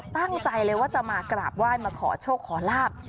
ตั้งใจเลยว่าจะมากราบไหว้มาขอโชคขอลาบ